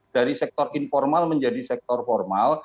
dari sektor informal menjadi sektor formal